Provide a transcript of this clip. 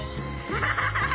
アハハハ！